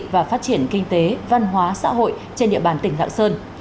và phát triển kinh tế văn hóa xã hội trên địa bàn tỉnh lạng sơn